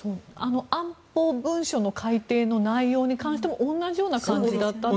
安保文書の改定の内容に関しても同じような感じだったと。